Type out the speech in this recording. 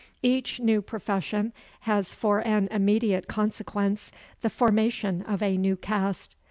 Each new profession has for an immediate consequence the formation of a new caste.